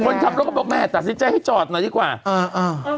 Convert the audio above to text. คนขับรถก็บอกแม่ตัดสินใจให้จอดหน่อยดีกว่าเอออ่า